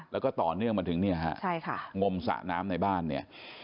แล้วก็ต่อเนื่องมาถึงเนี่ยฮะใช่ค่ะงมสระน้ำในบ้านเนี่ย